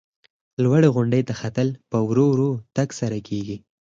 لوړې غونډۍ ته ختل په ورو ورو تګ سره کېږي.